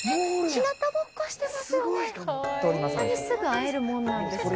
日なたぼっこしてますよね。